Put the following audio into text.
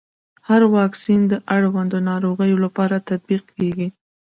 هر واکسین د اړوندو ناروغيو لپاره تطبیق کېږي.